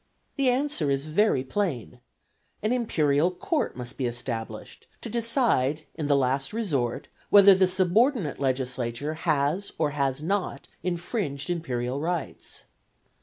The answer is very plain, an Imperial court must be established to decide in the last resort whether the subordinate legislature has or has not infringed Imperial rights.